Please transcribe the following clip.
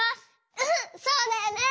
うんそうだよね。